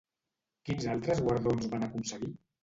Quins altres guardons van aconseguir?